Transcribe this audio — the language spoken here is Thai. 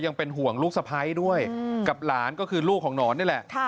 ยังเป็นห่วงลูกสะพ้ายด้วยกับหลานก็คือลูกของหนอนนี่แหละ